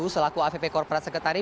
selaku avp korporat sekretari